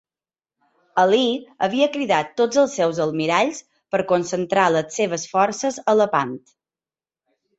Alí havia cridat tots els seus almiralls per concentrar les seves forces a Lepant.